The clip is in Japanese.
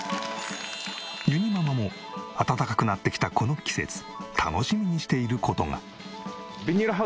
ゆにママも暖かくなってきたこの季節楽しみにしている事が。